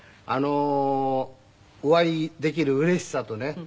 あのお会いできるうれしさとね